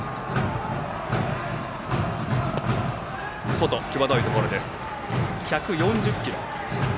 外、際どいところ１４０キロ。